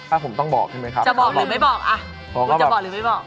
ถ้าผมต้องบอกใช่ไหมครับจะบอกหรือไม่บอกอ่ะคุณจะบอกหรือไม่บอก